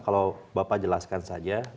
kalau bapak jelaskan saja